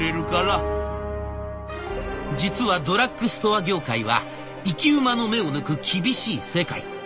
実はドラッグストア業界は生き馬の目を抜く厳しい世界。